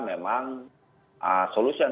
memang solusi yang